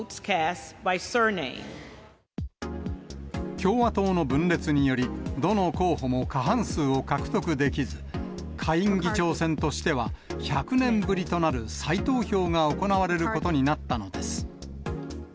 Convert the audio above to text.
共和党の分裂により、どの候補も過半数を獲得できず、下院議長選としては１００年ぶりとなる再投票が行われることになったのです。